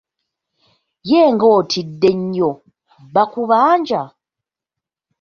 Ye nga otidde nnyo, bakubanja?